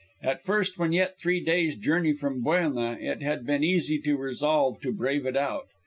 At first, when yet three days' journey from Buelna, it had been easy to resolve to brave it out.